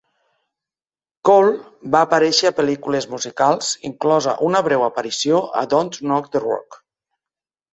Cole va aparèixer a pel·lícules musicals, inclosa una breu aparició a "Don"t Knock the Rock".